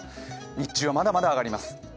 日中はまだまだ上がります。